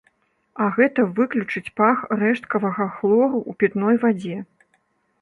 А гэта выключыць пах рэшткавага хлору ў пітной вадзе.